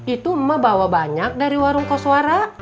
itu emak bawa banyak dari warung koswara